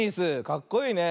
かっこいいね。